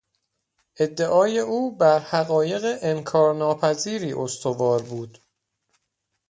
ادعای او بر حقایق انکارناپذیری استوار بود.